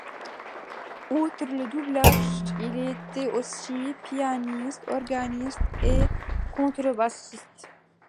Outre le doublage, il était aussi pianiste, organiste et contrebassiste.